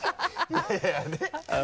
いやいやねぇ。